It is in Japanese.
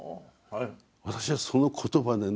私はその言葉でね